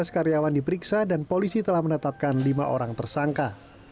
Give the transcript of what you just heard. tujuh belas karyawan diperiksa dan polisi telah menetapkan lima orang tersangka